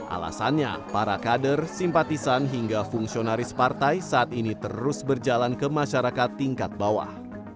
alasannya para kader simpatisan hingga fungsionaris partai saat ini terus berjalan ke masyarakat tingkat bawah